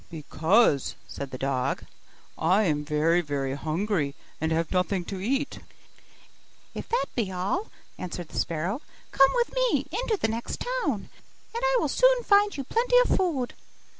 'Because,' said the dog, 'I am very very hungry, and have nothing to eat.' 'If that be all,' answered the sparrow, 'come with me into the next town, and I will soon find you plenty of food.